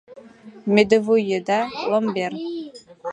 Мӧдывуй еда — ломбер